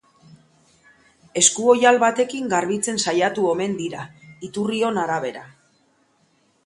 Eskuoihal batekin garbitzen saiatu omen dira, iturrion arabera.